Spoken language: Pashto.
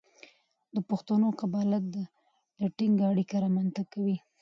د پښتو قبالت د ټینګه اړیکه رامنځته کوي.